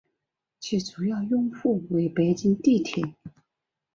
其主要用户为北京地铁。